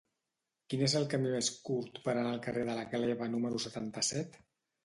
Quin és el camí més curt per anar al carrer de la Gleva número setanta-set?